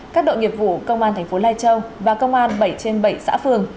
các đội nghiệp vụ công an thành phố lai châu và công an bảy trên bảy xã phường